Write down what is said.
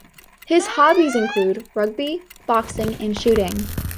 His hobbies include rugby, boxing, and shooting.